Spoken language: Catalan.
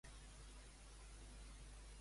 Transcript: Què han expressat els comuns en un escrit?